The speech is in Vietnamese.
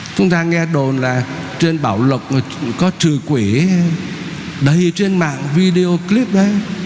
chúng ta nghe đồn là trên bảo lộc có trừ quỷ đầy trên mạng video clip